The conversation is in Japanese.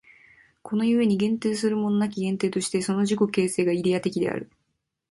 この故に限定するものなき限定として、その自己形成がイデヤ的である。